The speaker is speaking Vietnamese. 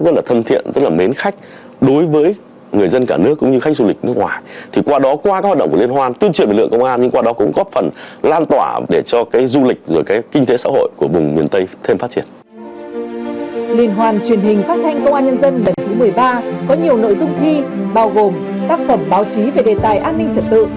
phát hành công an nhân dân lần thứ một mươi ba có nhiều nội dung thi bao gồm tác phẩm báo chí về đề tài an ninh trật tự